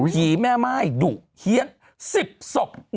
ผีแม่ไม้ดุเฮียน๑๐ศพ